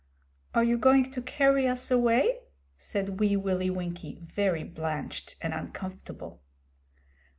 'Are you going to carry us away?' said Wee Willie Winkie, very blanched and uncomfortable.